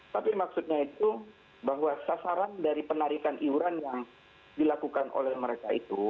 tapi maksudnya itu bahwa sasaran dari penarikan iuran yang dilakukan oleh mereka itu